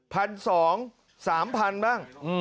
พันสองสามพันบ้าง